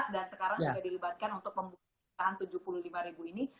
dan sekarang juga dilibatkan untuk pembuatan pecahan tujuh puluh lima ribu ini